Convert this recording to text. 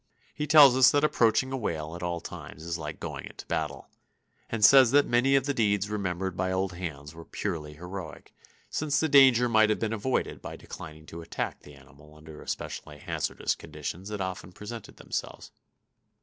He tells us that approaching a whale at all times is like going into battle, and says that many of the deeds remembered by old hands were purely heroic, since the danger might have been avoided by declining to attack the animal under the especially hazardous conditions that often present themselves.